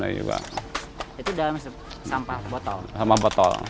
itu dalam sampah botol